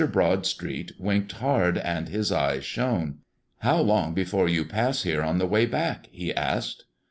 Broadstreet winked hard, and his eyes shone. "How long before you pass here on the way back?" he asked.